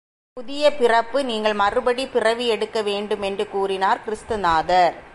புதிய பிறப்பு நீங்கள் மறுபடி பிறவியெடுக்க வேண்டும் என்று கூறினார் கிறிஸ்து நாதர்.